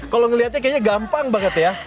kalau ngelihatnya kayaknya gampang banget ya